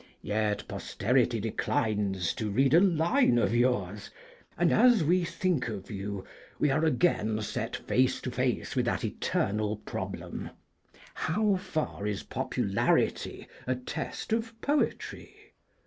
Yet posterity declines to read a line of yours, and, as we think of you, we are again set face to face with that eternal problem, how far is popularity a test of poetry?